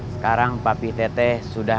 sekarang papi teteh sudah